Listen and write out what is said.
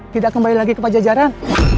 tidak kembali lagi ke pajajaran